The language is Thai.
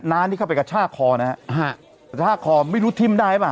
นานที่เข้าไปกับช่าคอนะฮะฮะช่าคอไม่รู้ทิมได้หรือเปล่า